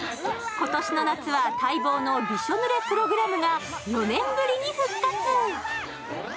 今年の夏は待望のびしょぬれプログラムが４年ぶりに復活。